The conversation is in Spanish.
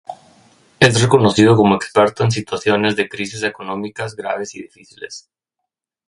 Es reconocido como experto en situaciones de crisis económicas graves y difíciles.